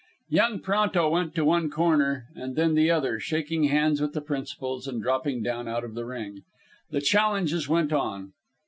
Young Pronto went to one corner and then the other, shaking hands with the principals and dropping down out of the ring. The challenges went on.